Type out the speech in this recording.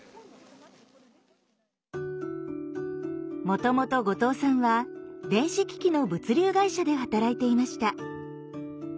もともと後藤さんは電子機器の物流会社で働いていました。